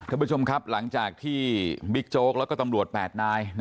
ท่านผู้ชมครับหลังจากที่บิ๊กโจ๊กแล้วก็ตำรวจ๘นาย